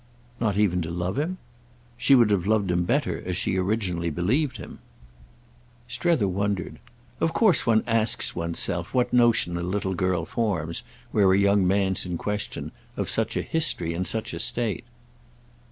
"Not even to love him?" "She would have loved him better as she originally believed him." Strether wondered. "Of course one asks one's self what notion a little girl forms, where a young man's in question, of such a history and such a state."